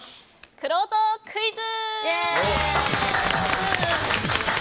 くろうとクイズ！